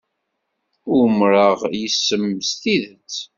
Umreɣ yes-m s tidet.